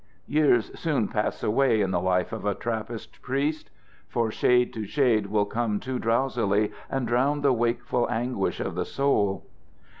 Years soon pass away in the life of a Trappist priest. For shade to shade will come too drowsily, And drown the wakeful anguish of the soul.